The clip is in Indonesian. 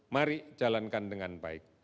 mari jalankan dengan baik